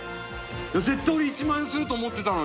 絶対俺１万円すると思ってたのに。